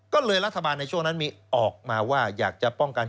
ก็เลยรัฐบาลในช่วงนั้นมีออกมาว่าอยากจะป้องกัน